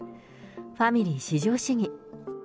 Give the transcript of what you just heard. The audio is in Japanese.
ファミリー至上主義。